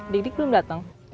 dik dik belum datang